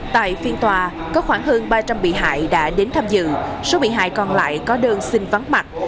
tại phiên tòa có khoảng hơn ba trăm linh bị hại đã đến tham dự số bị hại còn lại có đơn xin vắng mặt